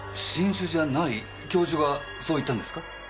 教授がそう言ったんですか？